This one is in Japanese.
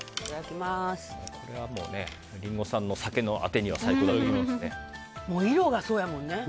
これはリンゴさんの酒のアテには最高だと思います。